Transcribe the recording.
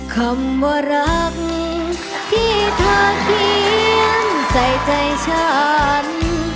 คำว่ารักที่เธอเขียนใส่ใจฉัน